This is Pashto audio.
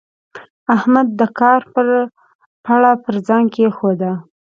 احمد د کار پړه پر ځان کېښوده.